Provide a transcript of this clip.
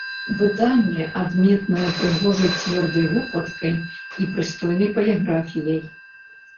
Выданне адметнае прыгожай цвёрдай вокладкай і прыстойнай паліграфіяй.